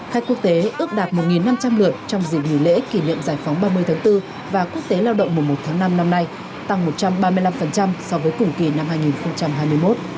khách quốc tế ước đạt một năm trăm linh lượt trong dịp nghỉ lễ kỷ niệm giải phóng ba mươi tháng bốn và quốc tế lao động mùa một tháng năm năm nay tăng một trăm ba mươi năm so với cùng kỳ năm hai nghìn hai mươi một